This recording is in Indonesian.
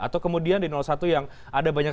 atau kemudian di satu yang ada banyak